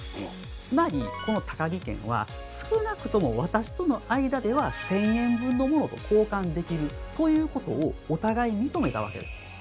つまりこのタカギ券は「少なくとも私との間では１，０００円分のものと交換できる」ということをお互い認めたわけです。